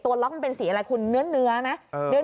ล็อกมันเป็นสีอะไรคุณเนื้อไหม